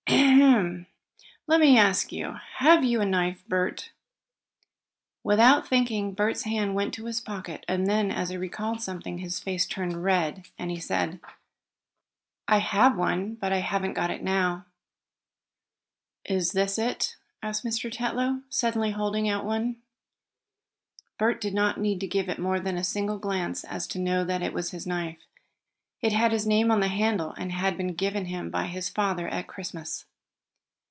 "Ahem! Let me ask you, have you a knife, Bert?" Without thinking Bert's hand went to his pocket, and then, as he recalled something, his face turned red, and he said: "I have one, but I haven't got it now." "Is this it?" asked Mr. Tetlow, suddenly holding out one. Bert did not need to give more than a single glance at it to know that it was his knife. It had his name on the handle and had been given him by his father at Christmas.